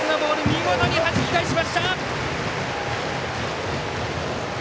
見事にはじき返しました。